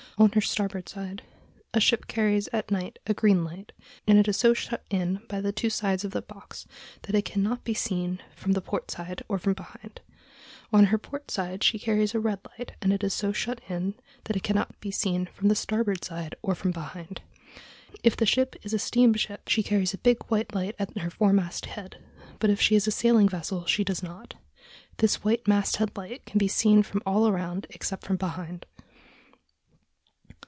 On her starboard side a ship carries at night a green light, and it is so shut in by the two sides of a box that it cannot be seen from the port side or from behind. On her port side she carries a red light, and it is so shut in that it cannot be seen from the starboard side or from behind. If the ship is a steamship she carries a big white light at her foremast head, but if she is a sailing vessel she does not. This white masthead light can be seen from all around except from behind....